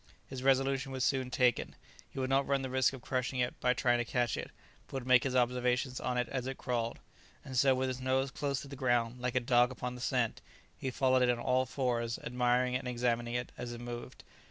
His resolution was soon taken. He would not run the risk of crushing it by trying to catch it, but would make his observations on it as it crawled; and so with his nose close to the ground, like a dog upon the scent, he followed it on all fours, admiring it and examining it as it moved.